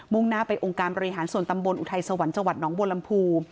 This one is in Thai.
่งหน้าไปองค์การบริหารส่วนตำบลอุทัยสวรรค์จังหวัดน้องบัวลำพู